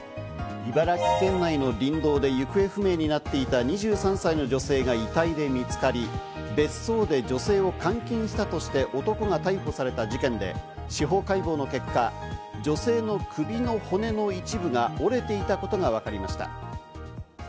茨城県内の林道で行方不明になっていた２３歳の女性が遺体で見つかり、別荘で女性を監禁したとして男が逮捕された事件で司法解剖の結果、女性の首の骨の一部が折れていたことがわかりました。